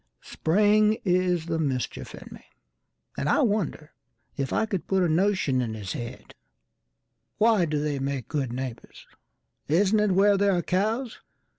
Spring is the mischief in me, and I wonderIf I could put a notion in his head:"Why do they make good neighbours? Isn't itWhere there are cows?